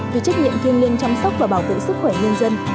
vì trách nhiệm kiên liên chăm sóc và bảo vệ sức khỏe nhân dân